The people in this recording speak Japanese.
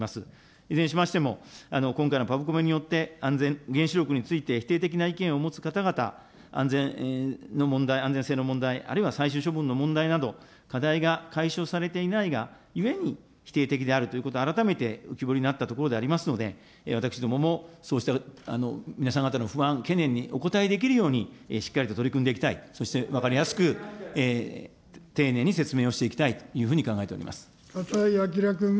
いずれにしましても、今回のパブコメによって安全、原子力について否定的な意見を持つ方々、安全の問題、安全性の問題、あるいは最終処分の問題など、課題が解消されていないがゆえに否定的であることが改めて浮き彫りになったところでありますので、私どももそうした皆さん方の不安、懸念にお答えできるように、しっかりと取り組んでいきたい、そして分かりやすく丁寧に説明をしていきたいというふうに考えて笠井亮君。